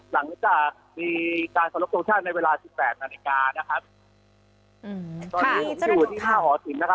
หลังจากมีการสนุกโชคชั่นในเวลา๑๘นาฬิกา